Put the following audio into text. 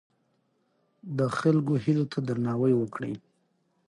د خلکو هیلو ته درناوی وکړئ.